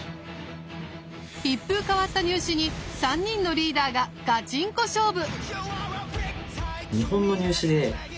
一風変わった入試に３人のリーダーがガチンコ勝負！